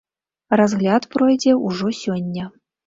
Разгляд пройдзе ўжо сёння.